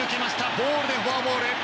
ボールでフォアボール。